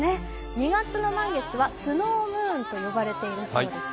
２月の満月はスノームーンと呼ばれているそうですよ。